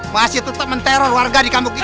masih tetep menteror warga di kampung kita